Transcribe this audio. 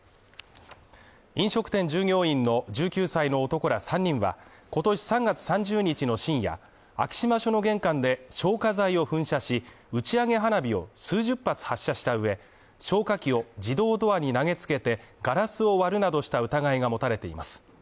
飲食店従業員の１９歳の男ら３人は今年３月３０日の深夜、昭島署の玄関で消火剤を噴射し、打ち上げ花火を数十発発射した上、消火器を自動ドアに投げつけてガラスを割るなどした疑いが持たれています。